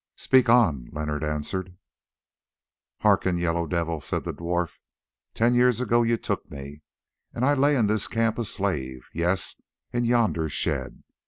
"Speak on," Leonard answered. "Hearken, Yellow Devil," said the dwarf. "Ten years ago you took me, and I lay in this camp a slave; yes, in yonder shed.